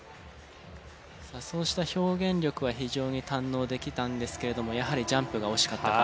そうした表現力は非常に堪能できたんですけれどもやはりジャンプが惜しかったか。